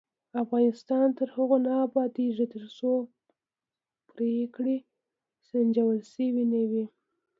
افغانستان تر هغو نه ابادیږي، ترڅو پریکړې سنجول شوې نه وي.